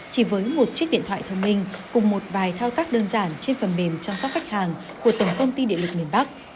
chỉ với một chiếc điện thoại thông minh cùng một vài thao tác đơn giản trên phần mềm chăm sóc khách hàng của tổng công ty điện lực miền bắc